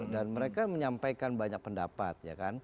dan mereka menyampaikan banyak pendapat